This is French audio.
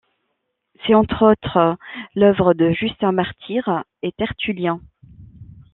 C'est, entre autres, l'œuvre de Justin Martyr, et Tertullien.